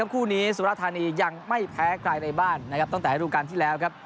ทั้งคู่นี้สุรภาษณียังไม่แพ้ใครในบ้านตั้งแต่รูกรรมที่แล้ว